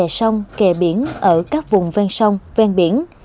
kẻ sông kẻ biển ở các vùng ven sông ven biển